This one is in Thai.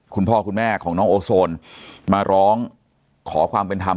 คุณพ่อคุณแม่ของน้องโอโซนมาร้องขอความเป็นธรรม